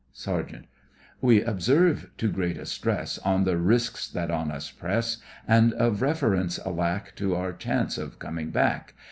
SERGEANT: We observe too great a stress, On the risks that on us press, And of reference a lack To our chance of coming back.